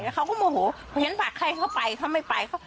แล้วเขาก็โมโหเพราะฉันผลักให้เข้าไปเขาไม่ไป